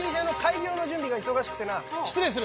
失礼する。